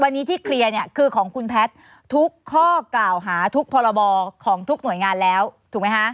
วันนี้ที่เคลียร์เนี่ยคือของคุณแพทย์ทุกข้อกล่าวหาทุกพรบของทุกหน่วยงานแล้วถูกไหมคะ